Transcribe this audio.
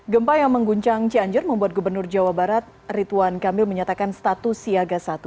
gempa yang mengguncang cianjur membuat gubernur jawa barat rituan kamil menyatakan status siaga satu